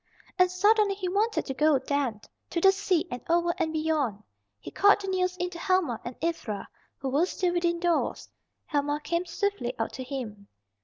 And suddenly he wanted to go then, to the sea and over and beyond. He called the news in to Helma and Ivra, who were still within doors. Helma came swiftly out to him.